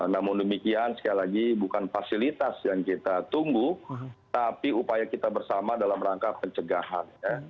namun demikian sekali lagi bukan fasilitas yang kita tunggu tapi upaya kita bersama dalam rangka pencegahan